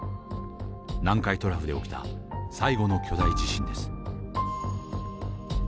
南海トラフで起きた最後の巨大地震です。